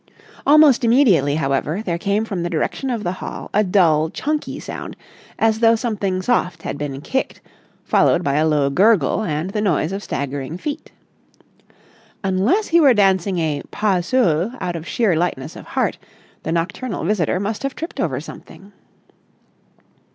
Almost immediately, however, there came from the direction of the hall a dull chunky sound as though something soft had been kicked, followed by a low gurgle and the noise of staggering feet. Unless he were dancing a pas seul out of sheer lightness of heart, the nocturnal visitor must have tripped over something.